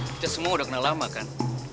kita semua udah kenal lama kan